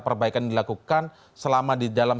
perbaikan dilakukan selama di dalam